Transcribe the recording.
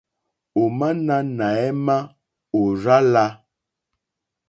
Ò má náɛ̌má ò rzá lā.